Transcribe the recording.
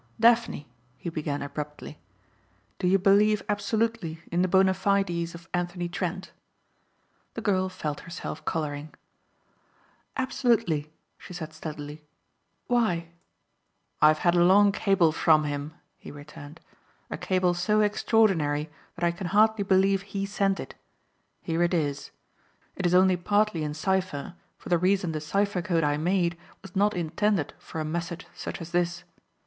"Daphne," he began abruptly, "Do you believe absolutely in the bona fides of Anthony Trent?" The girl felt herself coloring. "Absolutely," she said steadily, "Why?" "I have had a long cable from him," he returned. "A cable so extraordinary that I can hardly believe he sent it. Here it is. It is only partly in cipher for the reason the cipher code I made was not intended for a message such as this.